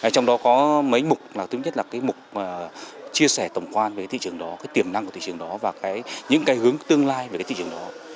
trong đó có mấy mục thứ nhất là mục chia sẻ tổng quan về thị trường đó tiềm năng của thị trường đó và những hướng tương lai về thị trường đó